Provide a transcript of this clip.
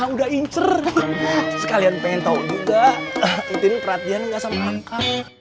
udah inget sekalian pengen tahu juga itu perhatian nggak sama angka